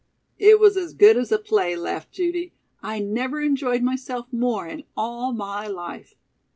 '" "It was as good as a play," laughed Judy. "I never enjoyed myself more in all my life."